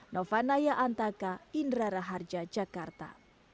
nova naya antaka indra raharja jakarta